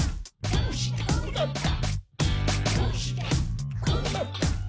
どうしてこうなった？」